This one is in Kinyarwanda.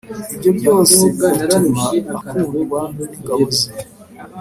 ibyo byose bigatuma akundwa n ingabo ze